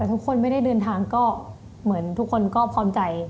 แต่ทุกคนไม่ได้เดินทางก็เหมือนทุกคนก็พร้อมใจ